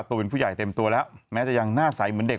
ตัวเป็นผู้ใหญ่เต็มตัวแล้วแม้จะยังหน้าใสเหมือนเด็ก